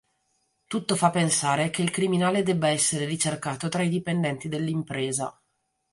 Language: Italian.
Tutto fa pensare che il criminale debba essere ricercato tra i dipendenti dell'impresa.